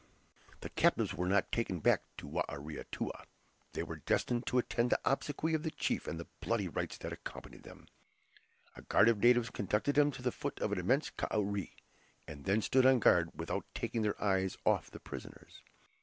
The captives were not taken back to Ware Atoua. They were destined to attend the obsequies of the chief and the bloody rites that accompanied them. A guard of natives conducted them to the foot of an immense kauri, and then stood on guard without taking their eyes off the prisoners.